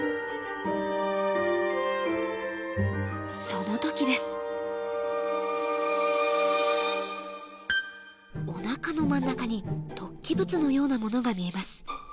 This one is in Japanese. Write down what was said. その時ですおなかの真ん中に突起物のようなものが見えます